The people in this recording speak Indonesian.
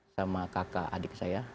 sama kakak adik saya